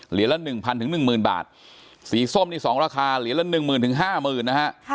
เหลือละ๑๐๐๐ถึง๑๐๐๐๐บาทสีส้มนี้๒ราคาเหลือละ๑๐๐๐๐ถึง๕๐๐๐๐นะฮะ